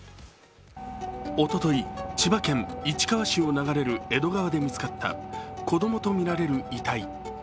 おととい、千葉県市川市を流れる江戸川で見つかった子どもとみられる遺体。